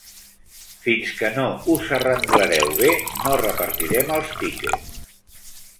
Fins que no us arrenglereu bé no repartirem els tiquets.